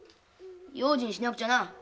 用心しなくちゃな。